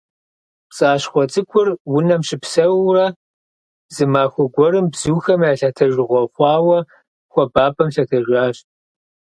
ПцӀащхъуэ цӀыкӀур унэм щыпсэууэрэ, зы махуэ гуэрым, бзухэм я лъэтэжыгъуэ хъуауэ, хуэбапӀэм лъэтэжащ.